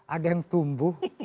ada yang tumbuh